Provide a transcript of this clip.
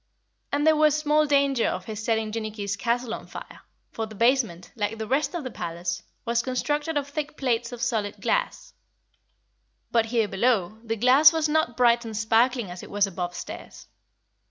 And there was small danger of his setting Jinnicky's castle on fire, for the basement, like the rest of the palace, was constructed of thick plates of solid glass. But here below, the glass was not bright and sparkling as it was above stairs.